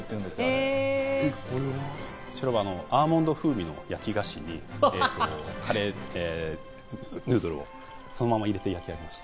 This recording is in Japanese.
こちらはアーモンド風味の焼菓子にカレーヌードルをそのまま入れています。